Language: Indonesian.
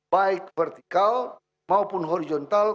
baik vertikal maupun horizontal